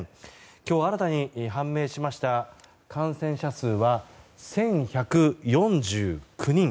今日、新たに判明しました感染者数は１１４９人。